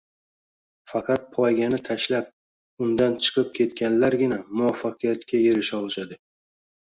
Faqat poygani tashlab, undan chiqib ketganlargina muvaffaqiyatga erisha olishadi